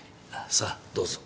さあどうぞ。